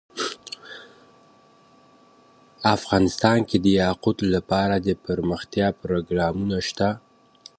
افغانستان کې د یاقوت لپاره دپرمختیا پروګرامونه شته.